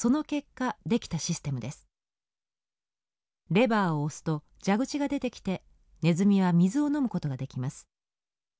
レバーを押すと蛇口が出てきてネズミは水を飲むことができます。